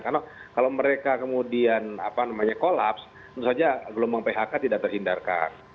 karena kalau mereka kemudian kolaps tentu saja gelombang phk tidak tersindarkan